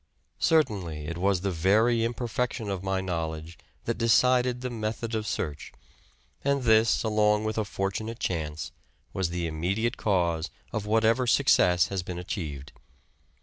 Certainly, it was the very imperfection of my know ledge that decided the method of search, and this, along with a fortunate chance, was the immediate cause of whatever success has been achieved.